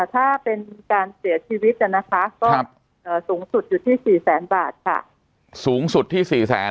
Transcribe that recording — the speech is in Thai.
ถ้าเป็นการเสียชีวิตนะคะก็สูงสุดอยู่ที่๔แสนบาทค่ะสูงสุดที่๔แสน